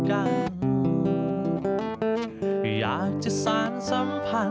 อันนี้น่าจะยังถือกัน